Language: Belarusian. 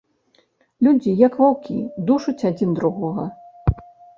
Людзі, як ваўкі, душаць адзін другога.